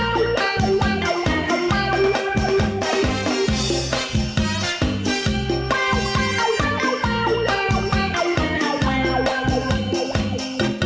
ปูมีตาข้างตัวแต่ทำไมยังว่าปูมันไม่มี